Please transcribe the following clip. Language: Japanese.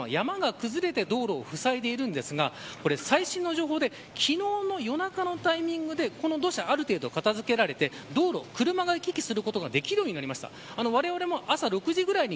そこはＶＴＲにもあったように山が崩れて道路をふさいでいるんですが最新の情報で昨日の夜中のタイミングでこの土砂はある程度片付けられて車が行き来できるようになりました。